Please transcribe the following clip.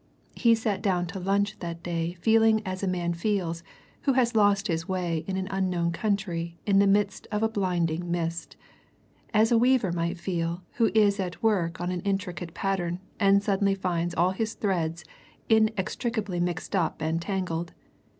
He sat down to lunch that day feeling as a man feels who has lost his way in an unknown country in the midst of a blinding mist; as a weaver might feel who is at work on an intricate pattern and suddenly finds all his threads inextricably mixed up and tangled.